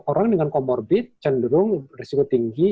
orang dengan comorbid cenderung risiko tinggi